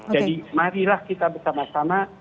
jadi marilah kita bersama sama